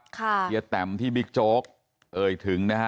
เฮียแตมที่บิ๊กโจ๊กเอ่ยถึงนะฮะ